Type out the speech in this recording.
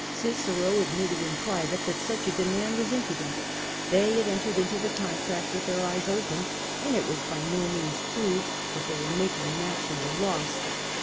Cicero admitted in private ^ that such a demand was impudent ; they had entered into the contract witl^ their eyes open, and it was by no means proved that they were making an actual loss.